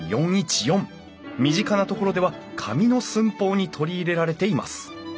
身近なところでは紙の寸法に取り入れられています。